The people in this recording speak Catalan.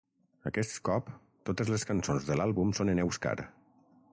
Aquest cop, totes les cançons de l'àlbum són en èuscar.